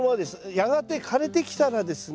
やがて枯れてきたらですね